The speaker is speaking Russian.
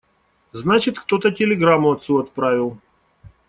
Значит, кто-то телеграмму отцу отправил.